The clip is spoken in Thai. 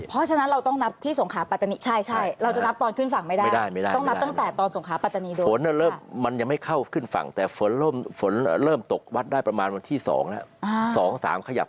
เพราะฉะนั้นเราต้องนับที่สงขาปัตตานีใช่